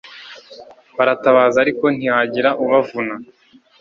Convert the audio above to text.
baratabaza, ariko ntihagira ubavuna